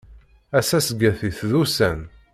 Ass asget-is d ussan.